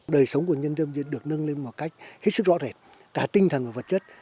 đời sống của nhân dân được nâng lên một cách hết sức rõ rệt cả tinh thần và vật chất